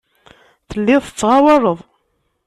Telliḍ tettɣawaleḍ.